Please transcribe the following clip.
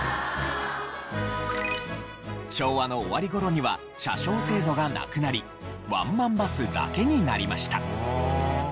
昭和の終わり頃には車掌制度がなくなりワンマンバスだけになりました。